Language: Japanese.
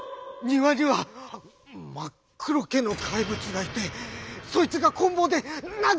「庭には真っ黒けの怪物がいてそいつがこん棒で殴ってきました」。